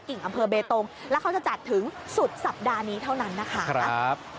อำเภอเบตงแล้วเขาจะจัดถึงสุดสัปดาห์นี้เท่านั้นนะคะ